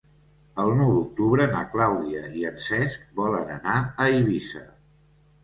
El nou d'octubre na Clàudia i en Cesc volen anar a Eivissa.